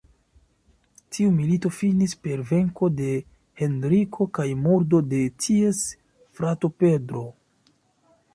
Tiu milito finis per venko de Henriko kaj murdo de ties frato Pedro.